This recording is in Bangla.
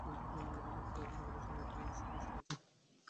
কিন্তু প্রিয় বন্ধুটির মুখে বাজে মন্তব্য শুনে তিনি ভীষণ কষ্ট পেয়েছেন।